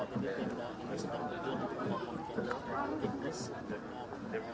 dan juga dari negara inggris